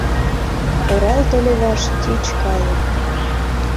Оралте леваш тич калык.